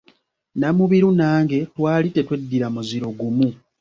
Namubiru nange twali tetweddira muziro gumu.